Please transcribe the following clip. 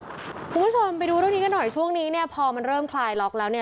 คุณผู้ชมไปดูเรื่องนี้กันหน่อยช่วงนี้เนี่ยพอมันเริ่มคลายล็อกแล้วเนี่ย